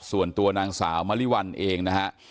ส่วนตัวนางสาวมริวัลเองนะฮะ